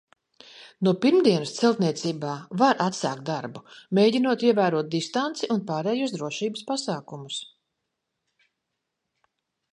No pirmdienas celtniecībā var atsākt darbu, mēģinot ievērot distanci un pārējos drošības pasākumus.